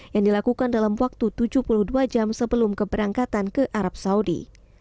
yang dilakukan dalam waktu tujuh puluh dua jam sebelum keberangkatan ke arab saudi